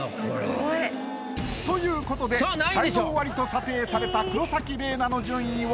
ということで才能アリと査定された黒崎レイナの順位は。